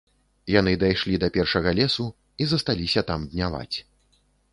Яны дайшлі да першага лесу і засталіся там дняваць.